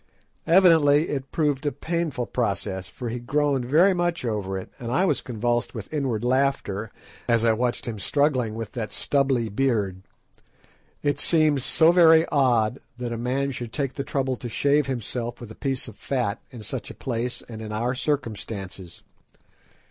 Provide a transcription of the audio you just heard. Evidently it proved a painful process, for he groaned very much over it, and I was convulsed with inward laughter as I watched him struggling with that stubbly beard. It seemed so very odd that a man should take the trouble to shave himself with a piece of fat in such a place and in our circumstances.